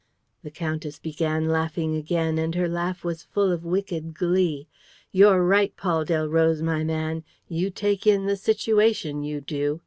The countess began laughing again; and her laugh was full of wicked glee: "You're right, Paul Delroze, my man. You take in the situation, you do.